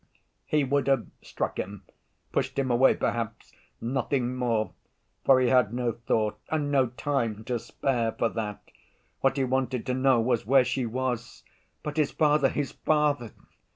He would have struck him, pushed him away perhaps, nothing more, for he had no thought and no time to spare for that. What he wanted to know was where she was. But his father, his father!